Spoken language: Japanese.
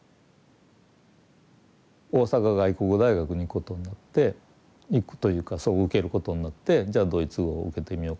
大阪外国語大学に行くことになって行くというかそこを受けることになってじゃあドイツ語を受けてみようかなと。